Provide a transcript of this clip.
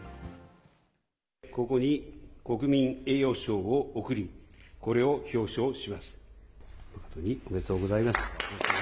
ここに国民栄誉賞を贈り、これを表彰します。